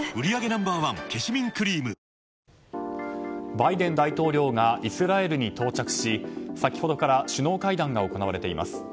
バイデン大統領がイスラエルに到着し先ほどから首脳会談が行われています。